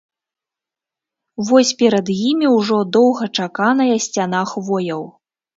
Вось перад імі ўжо доўгачаканая сцяна хвояў.